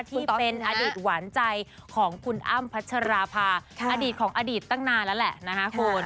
ที่เป็นอดีตหวานใจของคุณอ้ำพัชราภาอดีตของอดีตตั้งนานแล้วแหละนะคะคุณ